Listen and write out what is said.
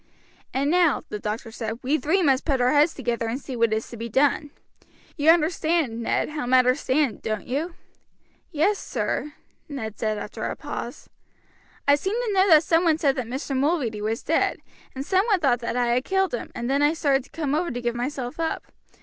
"And now," the doctor said, "we three must put our heads together and see what is to be done. You understand, Ned, how matters stand, don't you?" "Yes, sir," Ned said after a pause; "I seem to know that some one said that Mr. Mulready was dead, and some one thought that I had killed him, and then I started to come over to give myself up.